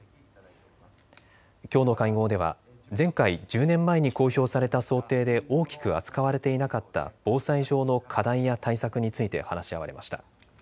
きょうの会合では前回、１０年前に公表された想定で大きく扱われていなかった防災上の課題や対策について話し合われました。